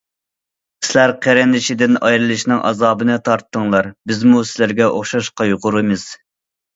سىلەر قېرىندىشىدىن ئايرىلىشنىڭ ئازابىنى تارتتىڭلار، بىزمۇ سىلەرگە ئوخشاش قايغۇرىمىز.